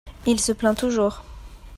il se plaint toujours.